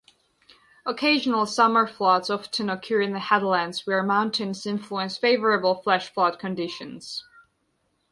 Occasional summer floods often occur in the headlands, where mountains influence favorable flash-flood conditions.